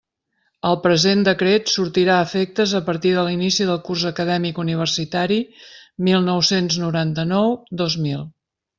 El present decret sortirà efectes a partir de l'inici del curs acadèmic universitari mil nou-cents noranta-nou, dos mil.